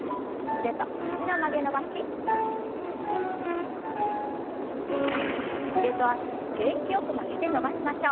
腕と脚元気よく曲げて伸ばしましょう。